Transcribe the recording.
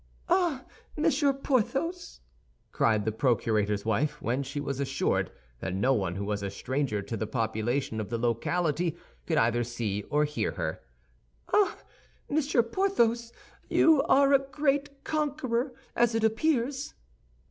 "Ah, Monsieur Porthos," cried the procurator's wife, when she was assured that no one who was a stranger to the population of the locality could either see or hear her, "ah, Monsieur Porthos, you are a great conqueror, as it appears!"